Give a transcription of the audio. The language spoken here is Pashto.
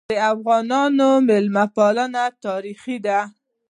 د افغانانو مېلمه پالنه تاریخي ده.